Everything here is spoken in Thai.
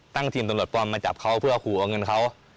ทีมตำรวจปลอมมาจับเขาเพื่อขู่เอาเงินเขา